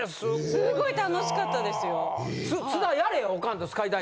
すごい楽しかったですよ。